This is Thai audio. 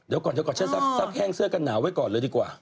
เดี๋ยวก่อนเชื่อซับแห้งเสื้อกันหนาวไว้ก่อนเลยดีกว่า